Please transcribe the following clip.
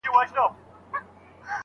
شاګرد د لوړ ږغ سره پاڼه ړنګه کړې وه.